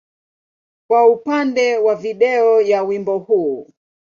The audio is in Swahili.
kwa upande wa video ya wimbo huu.